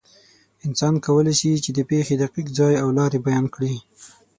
انسان کولی شي، چې د پېښې دقیق ځای او لارې بیان کړي.